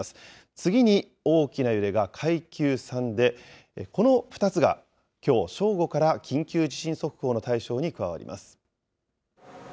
次に大きな揺れが階級３で、この２つが、きょう正午から緊急地震速報の対象に加わります。